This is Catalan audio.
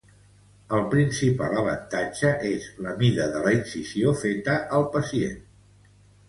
El principal avantatge és la mida de la incisió feta al pacient.